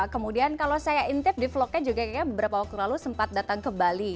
kemudian kalau saya intip di vlognya juga kayaknya beberapa waktu lalu sempat datang ke bali